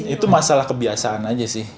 itu masalah kebiasaan aja sih